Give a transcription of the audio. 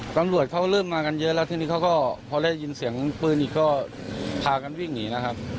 ตำรวจเขาเริ่มมากันเยอะแล้วทีนี้เขาก็พอได้ยินเสียงปืนอีกก็พากันวิ่งหนีนะครับ